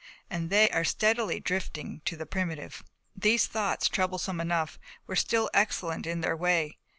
And they were steadily drifting to the primitive. These thoughts, troublesome enough, were still excellent in their way.